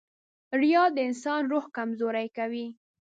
• ریا د انسان روح کمزوری کوي.